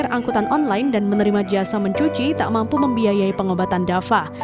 terangkutan online dan menerima jasa mencuci tak mampu membiayai pengobatan dafa